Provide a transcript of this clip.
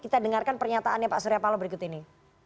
kita dengarkan pernyataannya pak suryapalo berikut ini